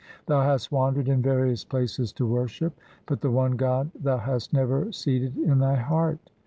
3 Thou hast wandered in various places to worship, but the one God thou hast never seated in thy heart.